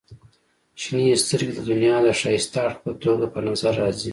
• شنې سترګې د دنیا د ښایسته اړخ په توګه په نظر راځي.